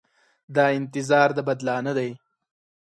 دا انتظار د بدلانه دی.